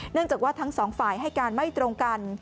จากว่าทั้งสองฝ่ายให้การไม่ตรงกัน